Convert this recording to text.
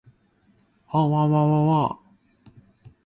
唔該㩒十五樓呀